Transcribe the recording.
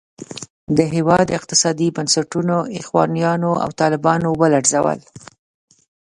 د هېواد اقتصادي بنسټونه اخوانیانو او طالبانو ولړزول.